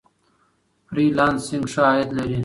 فری لانسینګ ښه عاید لري.